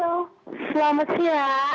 halo selamat siang